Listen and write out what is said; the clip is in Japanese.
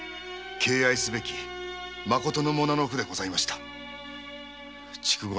敬愛すべきまことの武士でございました。